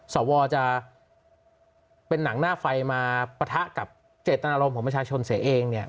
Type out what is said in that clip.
สวจะเป็นหนังหน้าไฟมาปะทะกับเจตนารมณ์ของประชาชนเสียเองเนี่ย